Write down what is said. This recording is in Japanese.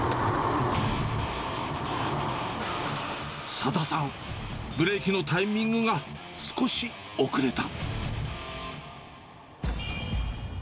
佐田さん、ブレーキのタイミングが少し遅れた。